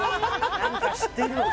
何か知ってるのか？